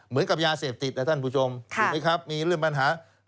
เหมือนกับยาเสพติดนะท่านผู้ชมถูกไหมครับมีเรื่องปัญหา